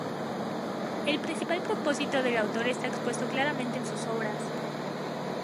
El principal propósito del autor está expuesto claramente en sus obras.